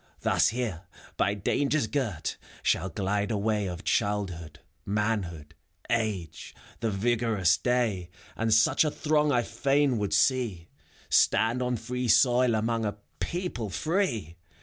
Thus here, by dangers girt, shall glide away Of childhood, manhood, age, the vigorous day : And such a throng I fain would see, —/ Stand on free soil among a people free!